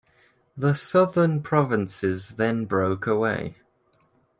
The southern provinces then broke away.